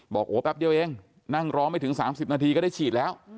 บอกโอ้แป๊บเดียวเองนั่งรอไม่ถึง๓๐นาทีก็ได้ฉีดแล้ว